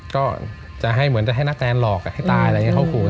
ก็จะให้เหมือนจะให้นักแนนหลอกให้ตายอะไรอย่างนี้เข้าขู่